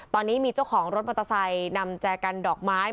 ตอนนี้มีเจ้าของรถมอเตอร์ไซค์นำแจกันดอกไม้